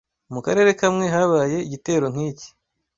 mu karere kamwe habaye igitero nk’iki